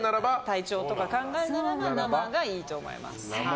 体調とか考えるなら生がいいと思います。